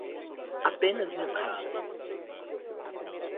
Apenas no caso.